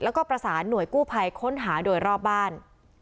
แล้วก็ประสานหน่วยกู้ภัยค้นหาโดยรอบบ้าน